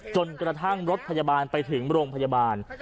จนกระทั่งรถพยาบาลไปถึงโรงพยาบาล